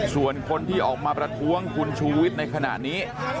ส่วนคนที่ออกมาประท้วงคุณชูวิทย์ในขณะนี้